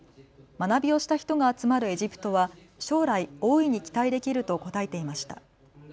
学びをした人が集まるエジプトは将来、大いに期待できると答えていました。